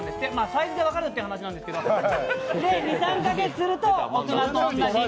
サイズで分かるって話なんですけど、２３カ月すると大人に。